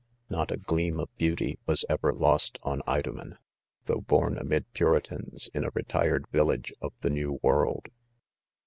Not a gleam of beauty was" ever ■ lost on Idomen 3 though born amid puritans, in a retired vil lage of the new world.